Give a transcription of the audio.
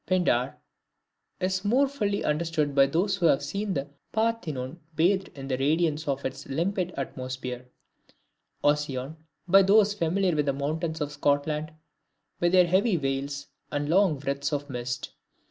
Pindar is more fully understood by those who have seen the Parthenon bathed in the radiance of its limpid atmosphere; Ossian, by those familiar with the mountains of Scotland, with their heavy veils and long wreaths of mist.